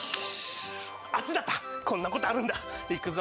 あっちだったこんなことあるんだいくぞ